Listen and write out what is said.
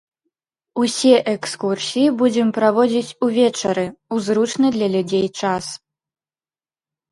Усе экскурсіі будзем праводзіць увечары, у зручны для людзей час.